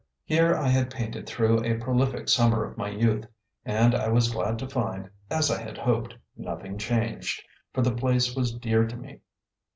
Here I had painted through a prolific summer of my youth, and I was glad to find as I had hoped nothing changed; for the place was dear to me.